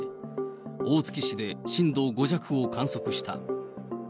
大月市で震度５弱を観測した。